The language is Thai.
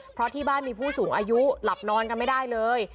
เพราะที่บ้านมีผู้สูงอายุหลับนอนกันไม่ได้เลย